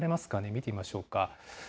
見てみましょうか。